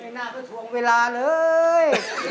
ไม่น่าจะทวงเวลาเลย